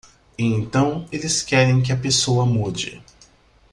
E então eles querem que a pessoa mude.